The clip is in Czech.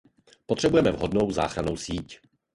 Potřebujeme vhodnou záchrannou síť.